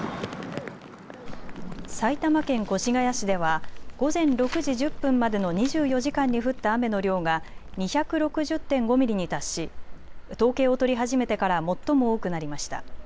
埼玉県越谷市では午前６時１０分までの２４時間に降った雨の量が２６０．５ミリに達し統計を取り始めてから最も多くなりました。